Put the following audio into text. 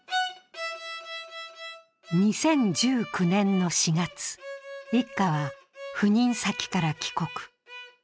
２０１９年の４月、一家は赴任先から帰国。